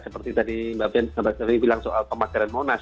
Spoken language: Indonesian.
seperti tadi mbak ben bilang soal pemadaran monas